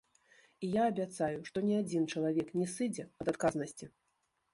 І я абяцаю, што ні адзін чалавек не сыдзе ад адказнасці!